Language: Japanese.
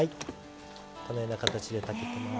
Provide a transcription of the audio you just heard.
このような形で炊けてます。